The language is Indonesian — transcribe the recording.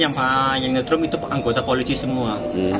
yang mukulin yang ditrum itu anggota polisi semua